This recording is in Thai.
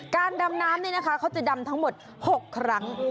การดำน้ำจะดำทั้งหมด๖ครั้ง